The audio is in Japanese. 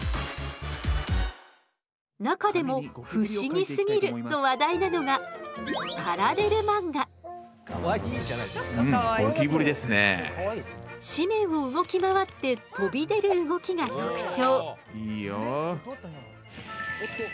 中でも「不思議すぎる！」と話題なのが紙面を動き回って飛び出る動きが特徴。